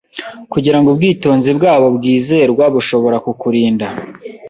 Kugira ngo ubwitonzi bwabo bwizerwa bushobora kukurinda